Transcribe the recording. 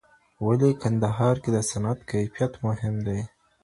ولي کندهار کي د صنعت کیفیت مهم دی؟